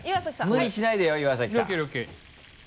無理しないでよ岩崎さん。